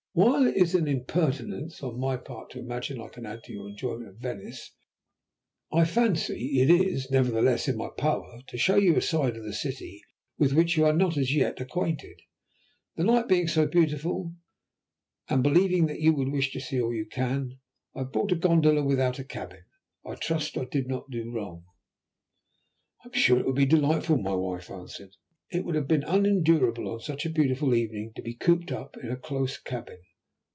"While it is an impertinence on my part to imagine that I can add to your enjoyment of Venice, I fancy it is, nevertheless, in my power to show you a side of the city with which you are not as yet acquainted. The night being so beautiful, and believing that you would wish to see all you can, I have brought a gondola without a cabin. I trust I did not do wrong." "I am sure it will be delightful," my wife answered. "It would have been unendurable on such a beautiful evening to be cooped up in a close cabin.